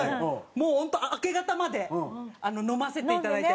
もう本当明け方まで飲ませていただいて。